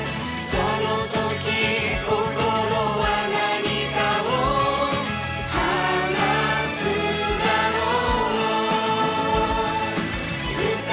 「その時心は何かを話すだろう」